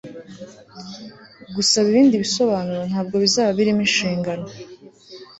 Gusaba ibindi bisobanuro ntabwo bizaba birimo inshingano